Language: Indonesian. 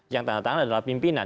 yang tanda tangan adalah pimpinan